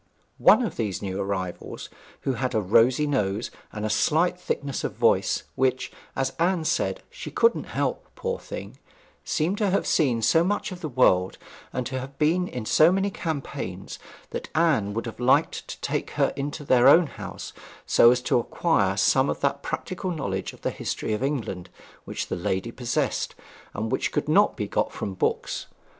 One of these new arrivals, who had a rosy nose and a slight thickness of voice, which, as Anne said, she couldn't help, poor thing, seemed to have seen so much of the world, and to have been in so many campaigns, that Anne would have liked to take her into their own house, so as to acquire some of that practical knowledge of the history of England which the lady possessed, and which could not be got from books.